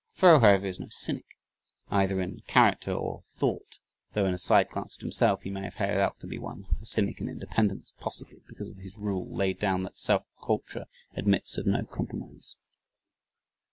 Thoreau, however, is no cynic, either in character or thought, though in a side glance at himself, he may have held out to be one; a "cynic in independence," possibly because of his rule laid down that "self culture admits of no compromise."